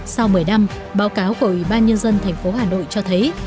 sau một mươi năm báo cáo của ủy ban nhân dân thành phố hà nội cho thấy